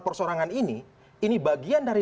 persorangan ini ini bagian dari